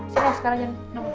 silah sekarang jam enam